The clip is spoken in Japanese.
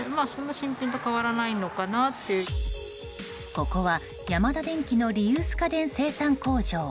ここはヤマダデンキのリユース家電生産工場。